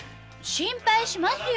心配しますよ。